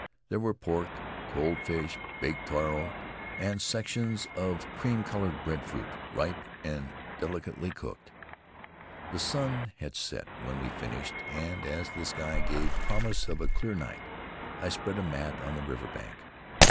There were pork, cold fish, baked taro, and sections of cream colored breadfruit, ripe and delicately cooked. The sun had set when we finished, and as the sky gave promise of a clear night I spread a mat on the river bank.